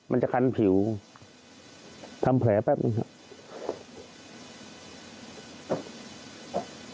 มันจะคันผิวทำแผลแป๊บหนึ่งครับ